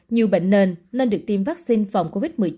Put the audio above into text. nhiều bệnh nền nên được tiêm vaccine phòng covid một mươi chín